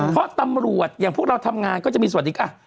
เพราะตำรวจอย่างพวกเราทำงานก็จะมีสวัสดี